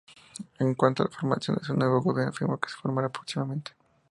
En cuanto a la formación de su nuevo gobierno, afirmó que se formará próximamente.